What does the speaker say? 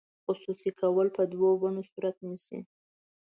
خصوصي کول په دوه بڼو صورت نیسي.